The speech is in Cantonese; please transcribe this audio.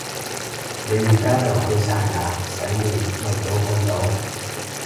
你而家就去刷牙洗面咪早瞓到